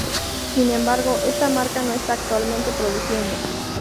Sin embargo, esta marca no está actualmente produciendo.